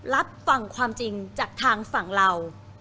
รับฟังความจริงจากทางฝั่งเรา